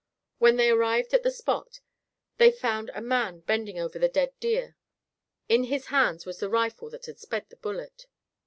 When they arrived at the spot, they found a man bending over the dead deer. In his hand was the rifle that had sped the bullet.